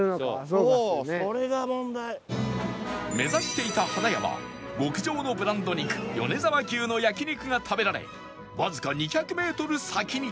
目指していたハナヤは極上のブランド肉米沢牛の焼肉が食べられわずか２００メートル先に